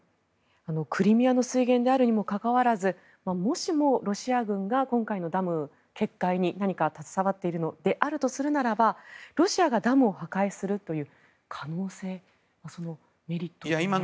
クリミアの水源であるにもかかわらずもしもロシア軍が今回のダムの決壊に何か携わっているならロシアがダムを破壊するというメリットは何でしょうか？